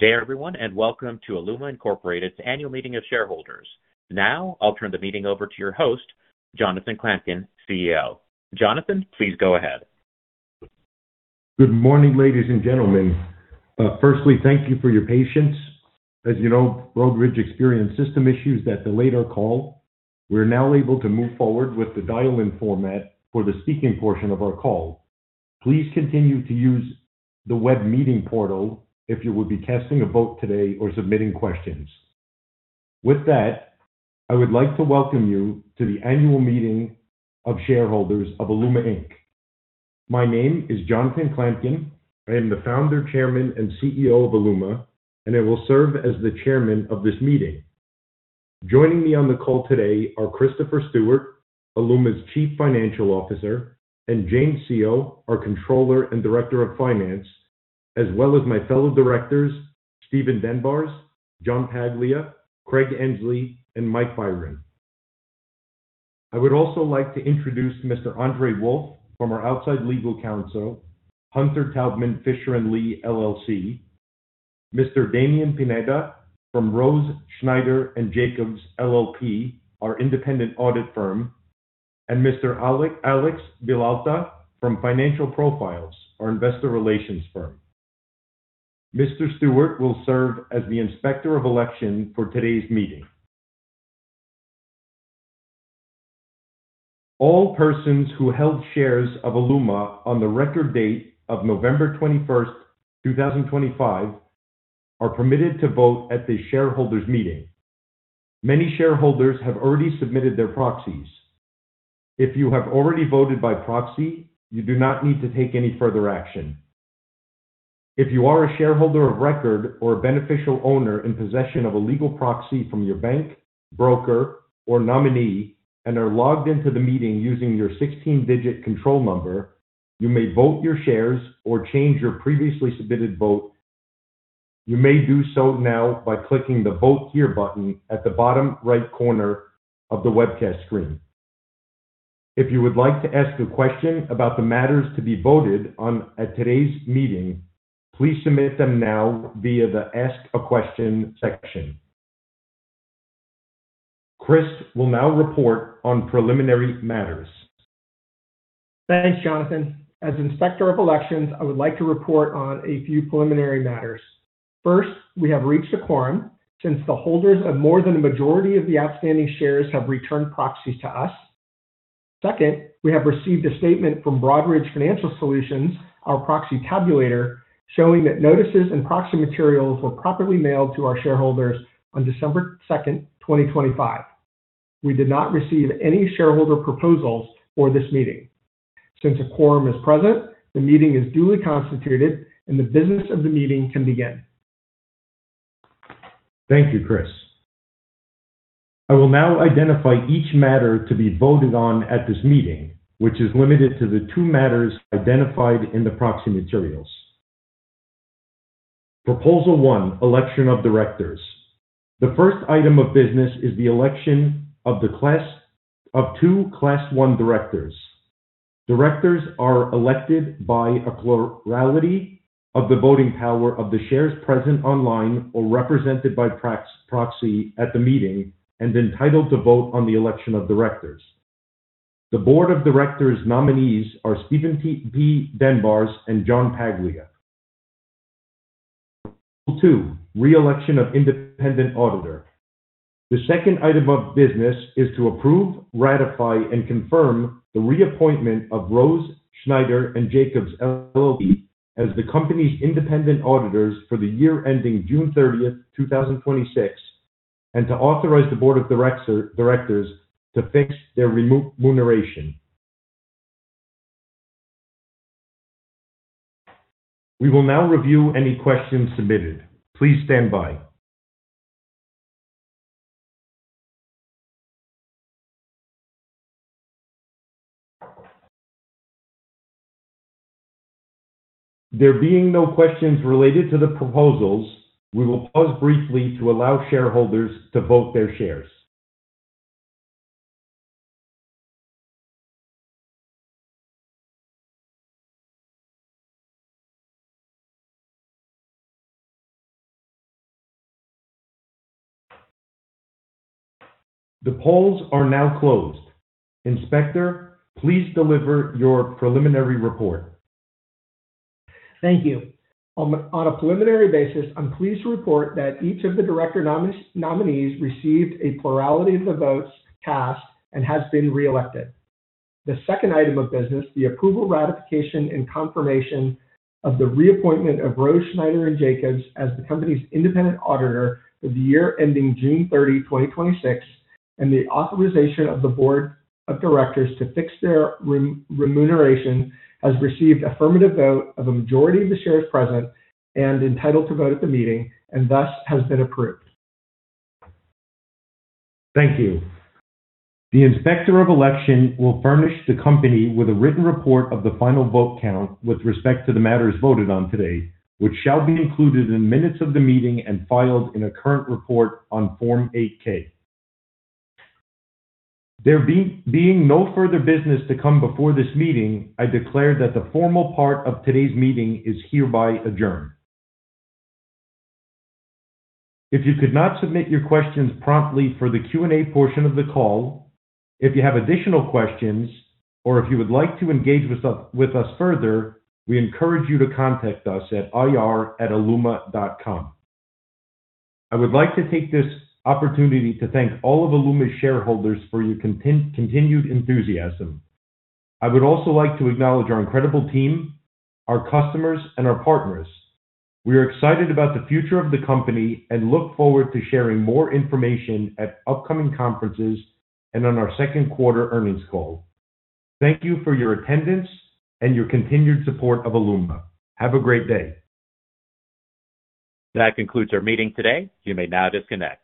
Good day, everyone, and welcome to Aeluma Incorporated's Annual Meeting of Shareholders. Now, I'll turn the meeting over to your host, Jonathan Klamkin, CEO. Jonathan, please go ahead. Good morning, ladies and gentlemen. Firstly, thank you for your patience. As you know, Broadridge experienced system issues that delayed our call. We're now able to move forward with the dial-in format for the speaking portion of our call. Please continue to use the web meeting portal if you will be casting a vote today or submitting questions. With that, I would like to welcome you to the Annual Meeting of Shareholders of Aeluma Inc. My name is Jonathan Klamkin. I am the Founder, Chairman, and CEO of Aeluma, and I will serve as the chairman of this meeting. Joining me on the call today are Christopher Stewart, Aeluma's Chief Financial Officer, and James Seoe, our Controller and Director of Finance, as well as my fellow directors, Steven DenBaars, John Paglia, Craig Ensley, and Mike Byron. I would also like to introduce Mr. Andrew Wolf from our outside legal counsel, Hunter Taubman Fischer & Li LLC, Mr. Damien Pineda from Rose, Snyder & Jacobs LLP, our independent audit firm, and Mr. Alex Villalta from Financial Profiles, our investor relations firm. Mr. Stewart will serve as the Inspector of Election for today's meeting. All persons who held shares of Aeluma on the record date of November twenty-first, twenty twenty-five, are permitted to vote at this shareholders' meeting. Many shareholders have already submitted their proxies. If you have already voted by proxy, you do not need to take any further action. If you are a shareholder of record or a beneficial owner in possession of a legal proxy from your bank, broker, or nominee and are logged into the meeting using your 16-digit control number, you may vote your shares or change your previously submitted vote. You may do so now by clicking the Vote Here button at the bottom right corner of the webcast screen. If you would like to ask a question about the matters to be voted on at today's meeting, please submit them now via the Ask a Question section. Chris will now report on preliminary matters. Thanks, Jonathan. As Inspector of Election, I would like to report on a few preliminary matters. First, we have reached a quorum since the holders of more than a majority of the outstanding shares have returned proxies to us. Second, we have received a statement from Broadridge Financial Solutions, our proxy tabulator, showing that notices and proxy materials were properly mailed to our shareholders on December second, twenty twenty-five. We did not receive any shareholder proposals for this meeting. Since a quorum is present, the meeting is duly constituted, and the business of the meeting can begin. Thank you, Chris. I will now identify each matter to be voted on at this meeting, which is limited to the two matters identified in the proxy materials. Proposal one, Election of Directors. The first item of business is the election of the class of two Class One directors. Directors are elected by a plurality of the voting power of the shares present online or represented by proxy at the meeting and entitled to vote on the election of directors. The board of directors' nominees are Steven P. DenBaars and John Paglia. Two, Reelection of Independent Auditor. The second item of business is to approve, ratify, and confirm the reappointment of Rose, Snyder & Jacobs LLP, as the company's independent auditors for the year ending June thirtieth, twenty twenty-six, and to authorize the board of directors to fix their remuneration. We will now review any questions submitted. Please stand by. There being no questions related to the proposals, we will pause briefly to allow shareholders to vote their shares. The polls are now closed. Inspector, please deliver your preliminary report. Thank you. On a preliminary basis, I'm pleased to report that each of the director nominees received a plurality of the votes cast and has been reelected. The second item of business, the approval, ratification, and confirmation of the reappointment of Rose, Snyder & Jacobs as the company's independent auditor for the year ending June thirty, twenty twenty-six, and the authorization of the board of directors to fix their remuneration, has received affirmative vote of a majority of the shares present and entitled to vote at the meeting, and thus has been approved. Thank you. The Inspector of Election will furnish the company with a written report of the final vote count with respect to the matters voted on today, which shall be included in minutes of the meeting and filed in a current report on Form 8-K. There being no further business to come before this meeting, I declare that the formal part of today's meeting is hereby adjourned. If you could not submit your questions promptly for the Q&A portion of the call, if you have additional questions, or if you would like to engage with us further, we encourage you to contact us at ir@aeluma.com. I would like to take this opportunity to thank all of Aeluma shareholders for your continued enthusiasm. I would also like to acknowledge our incredible team, our customers, and our partners. We are excited about the future of the company and look forward to sharing more information at upcoming conferences and on our second quarter earnings call. Thank you for your attendance and your continued support of Aeluma. Have a great day. That concludes our meeting today. You may now disconnect.